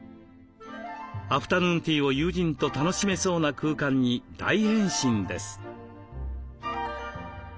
アフタヌーンティーを友人と楽しめそうな空間に大変身です。